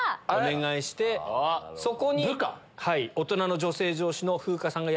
そこに。